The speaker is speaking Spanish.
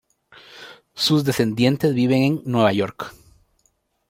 Sus descendientes viven en Nueva York.